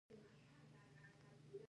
د ګازرو کښت څنګه دی؟